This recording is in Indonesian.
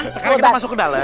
sekarang kita masuk ke dalam